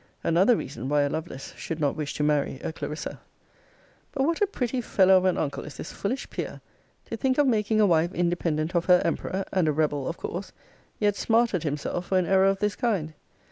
Another reason why a LOVELACE should not wish to marry a CLARISSA. But what a pretty fellow of an uncle is this foolish peer, to think of making a wife independent of her emperor, and a rebel of course; yet smarted himself for an error of this kind!